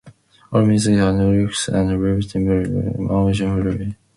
"All music and lyrics written and arranged by: Morgana Lefay"